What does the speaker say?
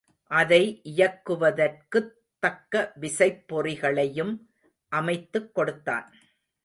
அதை இயக்குவதற்குத் தக்க விசைப்பொறிகளையும் அமைத்துக் கொடுத்தான்.